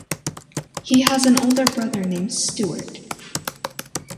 He has an older brother named Stuart.